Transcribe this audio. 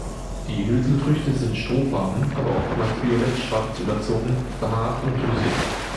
Die Hülsenfrüchte sind strohfarben, aber oftmals violett-schwarz überzogen, behaart und drüsig.